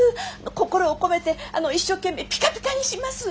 心を込めて一生懸命ピカピカにします！